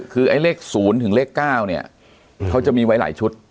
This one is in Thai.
คือไอ้เลข๐ถึงเลข๙เนี่ยเขาจะมีไว้หลายชุด